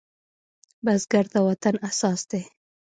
بزګر د وطن اساس دی